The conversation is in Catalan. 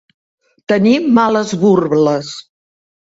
Tenir males burles.